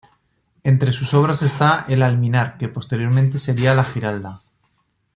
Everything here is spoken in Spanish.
Entre sus obras está el alminar que posteriormente sería la Giralda.